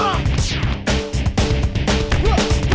kau harus hafal penuh ya